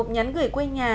tiểu mục nhắn gửi quê nhà